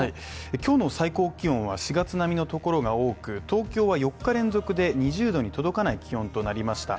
今日の最高気温は４月並みのところが多く、東京は４日連続で２０℃に届かない気温となりました。